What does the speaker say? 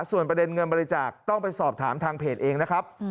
ส่วนประเด็นเงินบริจาคต้องไปสอบถามทางเพจเองนะครับ